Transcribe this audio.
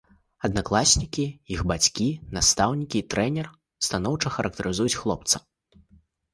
Аднакласнікі, іх бацькі, настаўнікі і трэнер станоўча характарызуюць хлопца.